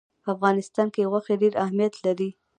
په افغانستان کې غوښې ډېر اهمیت لري.